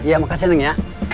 iya makasih neng ya